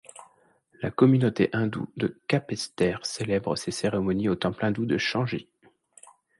La communauté hindoue de Capesterre célèbre ses cérémonies au temple hindou de Changy.